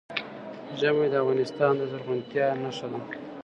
ژمی د افغانستان د زرغونتیا نښه ده.